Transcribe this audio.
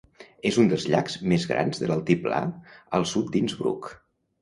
És un dels llacs més grans de l'altiplà al sud d'Innsbruck.